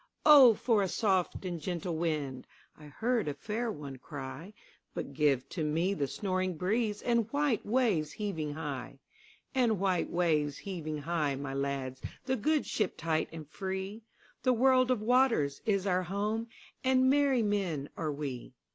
"O for a soft and gentle wind!"I heard a fair one cry:But give to me the snoring breezeAnd white waves heaving high; And white waves heaving high, my lads, The good ship tight and free—The world of waters is our home, And merry men are we.